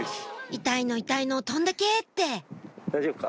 痛いの痛いの飛んでけ！って大丈夫か？